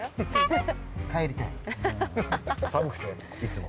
帰りたい。